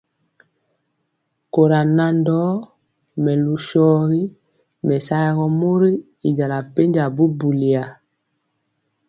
Kora nan ndɔɔ melu shorgi mesayeg mori i jala penja bubuli ya.